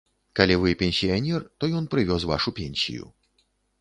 Калі вы пенсіянер, то ён прывёз вашу пенсію.